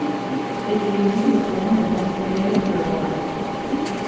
Cigliuti was born in Montevideo, Uruguay.